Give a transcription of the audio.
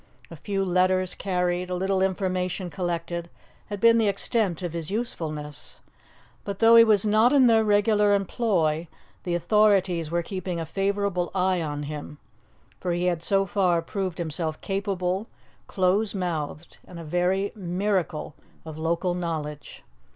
A few letters carried, a little information collected, had been the extent of his usefulness. But, though he was not in their regular employ, the authorities were keeping a favourable eye on him, for he had so far proved himself capable, close mouthed, and a very miracle of local knowledge.